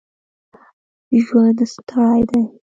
ژوند ستړی دی